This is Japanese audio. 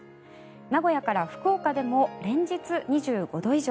名古屋から福岡でも連日２５度以上。